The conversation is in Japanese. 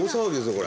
これ。